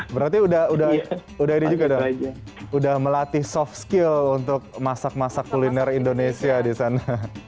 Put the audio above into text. berarti udah melatih soft skill untuk masak masak kuliner indonesia di sana